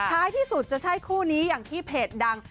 ท้ายที่สุดจะใช่คู่นี้อย่างที่เพจดัง